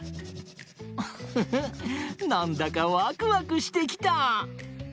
ウッフフなんだかワクワクしてきた！